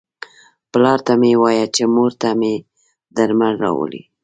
پلار ته مې وایه چې مور ته مې درمل راوړي.